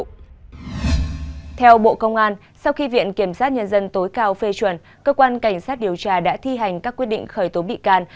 theo bộ công an sau khi viện kiểm sát nhân dân tối cao phê chuẩn cơ quan cảnh sát điều tra đã thi hành các quyết định khởi tố bị can